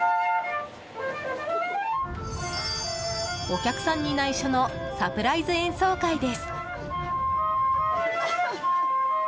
お客さんに内緒のサプライズ演奏会です。